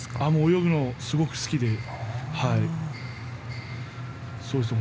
泳ぐのもすごく好きでした。